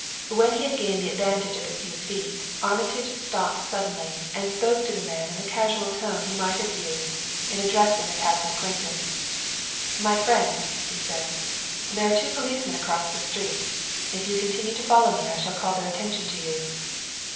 When he had gained the advantage of a few feet, Armitage stopped suddenly and spoke to the man in the casual tone he might have used in addressing a passing acquaintance. "My friend," he said, "there are two policemen across the street; if you continue to follow me I shall call their attention to you."